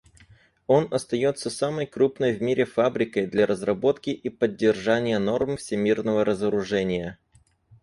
Он остается самой крупной в мире «фабрикой» для разработки и поддержания норм всемирного разоружения.